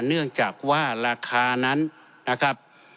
เนื่องจากว่าราคานั้นนะครับ